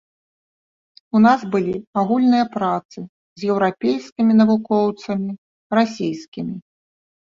У нас былі агульныя працы з еўрапейскімі навукоўцамі, расійскімі.